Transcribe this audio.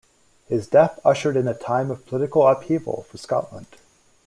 His death ushered in a time of political upheaval for Scotland.